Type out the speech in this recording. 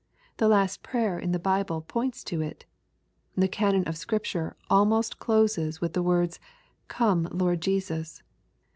The List prayer in the Bible points to it. The canon of Scripture almost closes with the words, *' Come Lord Jesus."